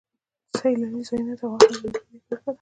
سیلانی ځایونه د افغانستان د ملي هویت نښه ده.